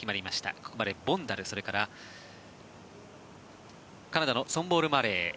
ここまでボンダルそれからカナダのソンボル・マレー。